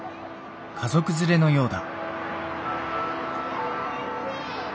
家族連れのようだ。